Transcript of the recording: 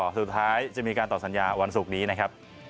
สุดท้ายจะมีการต่อสัญญาวันศุกร์นี้นะครับ